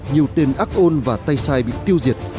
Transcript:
nhiều tiền ác ôn và tay sai bị tiêu diệt